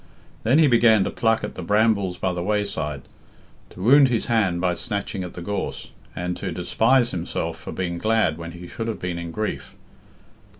Then he began to pluck at the brambles by the wayside, to wound his hand by snatching at the gorse, and to despise himself for being glad when he should have been in grief.